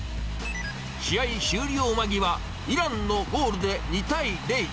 試合終了間際、イランのゴールで２対０。